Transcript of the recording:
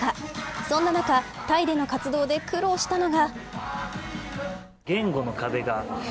そんな中、タイでの活動で苦労したのが。